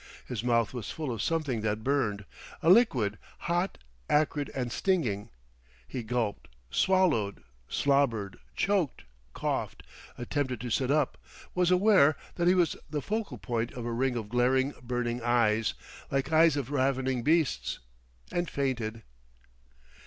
His mouth was full of something that burned, a liquid hot, acrid, and stinging. He gulped, swallowed, slobbered, choked, coughed, attempted to sit up, was aware that he was the focal center of a ring of glaring, burning eyes, like eyes of ravening beasts; and fainted.